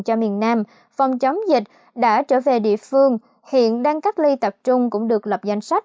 cho miền nam phòng chống dịch đã trở về địa phương hiện đang cách ly tập trung cũng được lập danh sách